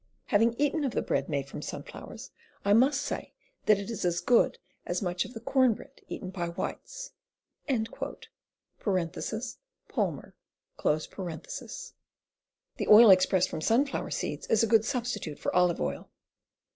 Having eaten of the bread made from sunflowers, I must say that it is as good as much of the corn bread eaten by whites." (Pahner.) The oil expressed from sunflower seeds is a good substitute for olive oil.